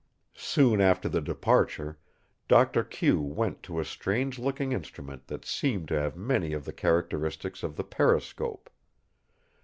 Soon after the departure Doctor Q went to a strange looking instrument that seemed to have many of the characteristics of the periscope.